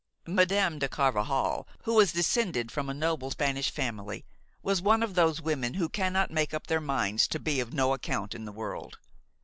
Madame de Carvajal, who was descended from a noble Spanish family, was one of those women who cannot make up their minds to be of no account in the world.